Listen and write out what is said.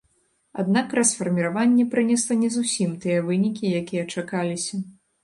Аднак расфарміраванне прынесла не зусім тыя вынікі, якія чакаліся.